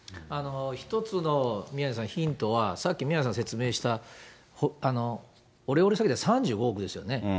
一つの宮根さん、ヒントは、さっき宮根さん説明したオレオレ詐欺で３５億ですよね。